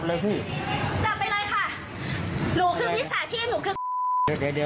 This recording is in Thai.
หนูคือวิสาชีพ